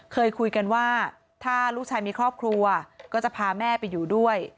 เคยคุยกันว่าถ้าลูกชายมีครอบครัวก็จะพาแม่ไปอยู่ด้วย